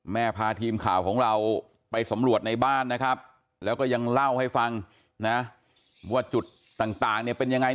พาทีมข่าวของเราไปสำรวจในบ้านนะครับแล้วก็ยังเล่าให้ฟังนะว่าจุดต่างเนี่ยเป็นยังไง